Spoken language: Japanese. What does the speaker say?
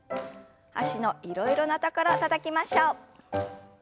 脚のいろいろなところたたきましょう。